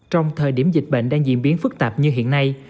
trong thời điểm dịch bệnh đang diễn biến phức tạp như hiện nay